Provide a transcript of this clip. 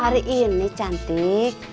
hari ini cantik